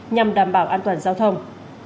nhằm đảm bảo an toàn giao thông